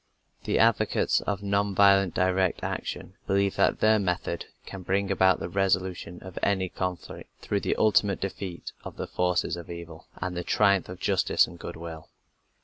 The advocates of "non violent direct action" believe that their method can bring about the resolution of any conflict through the ultimate defeat of the forces of evil, and the triumph of justice and goodwill.